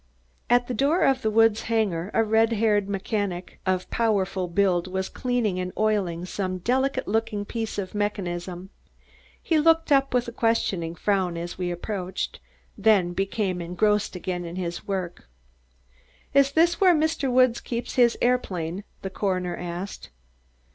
At the door of the Woods hangar, a red haired mechanic of powerful build was cleaning and oiling some delicate looking piece of mechanism. He looked up with a questioning frown as we approached, then became engrossed again in his work. "Is this where Mr. Woods keeps his aeroplane?" the coroner asked.